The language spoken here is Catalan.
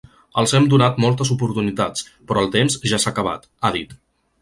Els hem donat moltes oportunitats, però el temps ja s’ha acabat, ha dit.